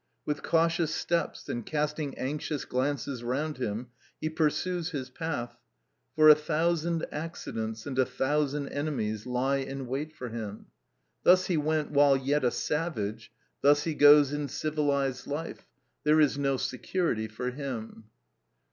With cautious steps and casting anxious glances round him he pursues his path, for a thousand accidents and a thousand enemies lie in wait for him. Thus he went while yet a savage, thus he goes in civilised life; there is no security for him.